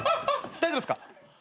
大丈夫っすか？